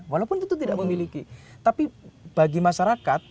walaupun itu tidak memiliki tapi bagi masyarakat